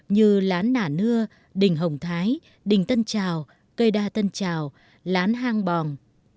như lán nà nưa đình hồng thái đình tân trào cây đa tân trào lán hang bòng